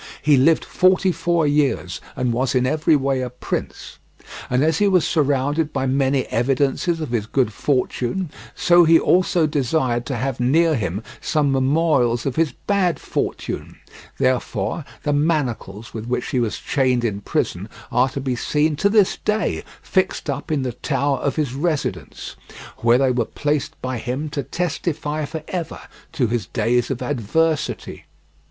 He lived forty four years, and was in every way a prince. And as he was surrounded by many evidences of his good fortune, so he also desired to have near him some memorials of his bad fortune; therefore the manacles with which he was chained in prison are to be seen to this day fixed up in the tower of his residence, where they were placed by him to testify forever to his days of adversity.